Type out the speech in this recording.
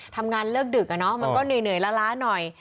ทำงานเลิกดึกมันก็เหนื่อยล้าหน่อย